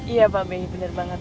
iya pak be bener banget